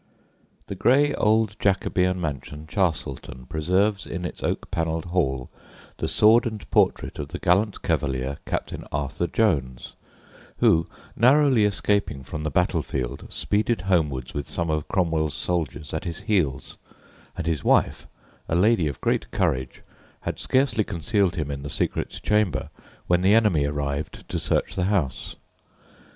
The grey old Jacobean mansion Chastleton preserves in its oak panelled hall the sword and portrait of the gallant cavalier Captain Arthur Jones, who, narrowly escaping from the battlefield, speeded homewards with some of Cromwell's soldiers at his heels; and his wife, a lady of great courage, had scarcely concealed him in the secret chamber when the enemy arrived to search the house.